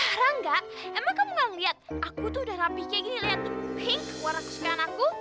harang gak emang kamu gak ngeliat aku tuh udah rapi kayak gini liat pink warna kesukaan aku